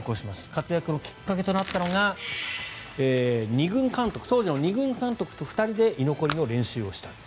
活躍のきっかけとなったのが当時の２軍監督と２人で居残りの練習をした。